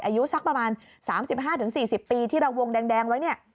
อายุสักประมาณ๓๕๔๐ปีที่เราวงแดงไว้เนี่ย